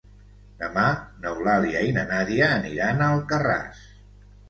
Demà n'Eulàlia i na Nàdia aniran a Alcarràs.